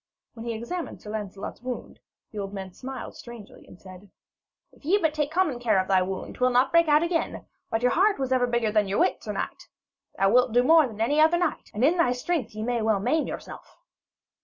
When he had examined Sir Lancelot's wound, the old man smiled strangely, and said: 'If ye take but common care of thy wound, 'twill not break out again, but your heart was ever bigger than thy wit, sir knight. Thou wilt do more than any other knight, and in thy strength ye may well maim yourself.'